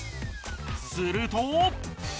すると。